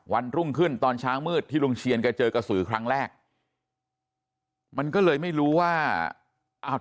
วันรุ่งขึ้นตอนเช้ามืดที่ลุงเชียนแกเจอกระสือครั้งแรกมันก็เลยไม่รู้ว่าอ้าว